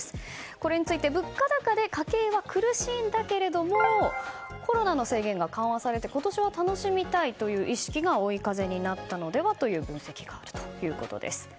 これについて物価高で家計は苦しいんだけれどもコロナの制限が緩和されて今年は楽しみたいという意識が追い風になったのではという分析があるということです。